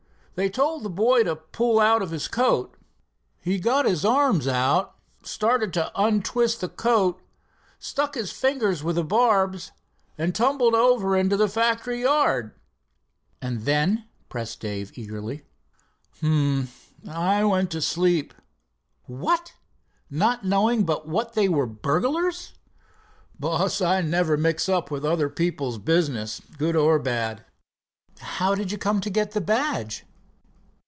They told the boy to pull out of his coat. He got his arms out, started to untwist the coat, stuck his fingers with the barbs, and tumbled over into the factory yard." "And then?" pressed Dave eagerly. "H'm! I went to sleep." "What! not knowing but what they were burglars?" "Boss, I never mix up with other people's business, good or bad." "How did you come to get the badge?"